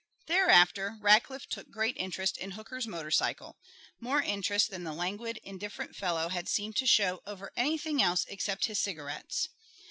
Thereafter Rackliff took great interest in Hooker's motorcycle more interest than the languid, indifferent fellow had seemed to show over anything else except his cigarettes.